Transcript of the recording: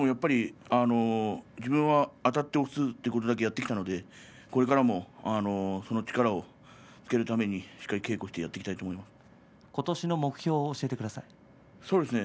自分はあたって押すということだけやってきたのでこれからもその力をつけるためにしっかり稽古して今年の目標を教えてください。